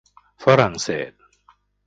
ฝรั่งเศส